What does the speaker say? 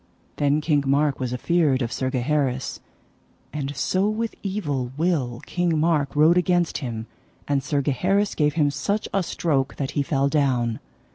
Then King Mark was afeard of Sir Gaheris, and so with evil will King Mark rode against him, and Sir Gaheris gave him such a stroke that he fell down.